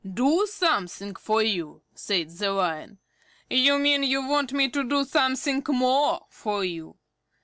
"Do something for you?" said the Lion. "You mean you want me to do something more for you.